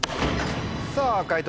さぁ解答